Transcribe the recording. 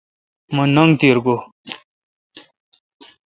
مہ ننگ تیرا گو°